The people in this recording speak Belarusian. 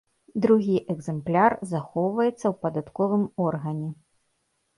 Другі экземпляр захоўваецца ў падатковым органе.